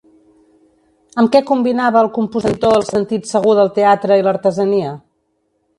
Amb què combinava el compositor el sentit segur del teatre i l'artesania?